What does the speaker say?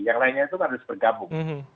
yang lainnya itu kan harus bergabung